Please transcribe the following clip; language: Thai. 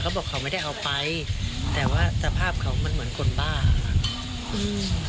บอกเขาไม่ได้เอาไปแต่ว่าสภาพเขามันเหมือนคนบ้าค่ะอืม